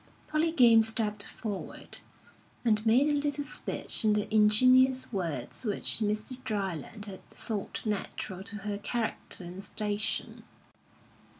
Polly Game stepped forward, and made a little speech in the ingenuous words which Mr. Dryland had thought natural to her character and station.